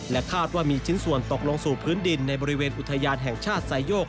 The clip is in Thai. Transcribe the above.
คาดว่ามีชิ้นส่วนตกลงสู่พื้นดินในบริเวณอุทยานแห่งชาติไซโยก